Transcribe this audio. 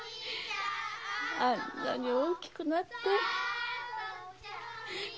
あんなに大きくなって太一！